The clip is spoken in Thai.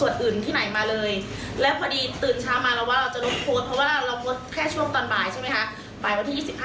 ดึงที่ได้มาไปซื้อของตอนใส